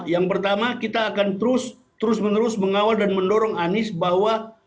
yang pertama kita akan terus menerus mengawal dan mendorong anies bahwa